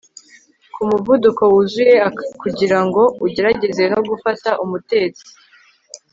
ku muvuduko wuzuye kugirango ugerageze no gufata umutetsi